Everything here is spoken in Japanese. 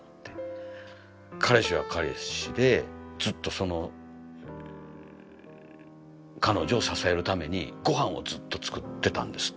彼氏は彼氏でずっとその彼女を支えるために御飯をずっと作ってたんですって。